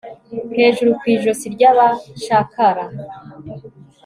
Hejuru ku ijosi ryabacakara